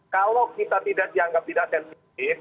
kalau kita tidak dianggap tidak sensitif